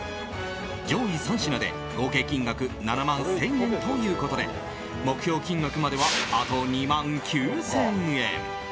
上位３品で合計金額７万１０００円ということで目標金額まではあと２万９０００円。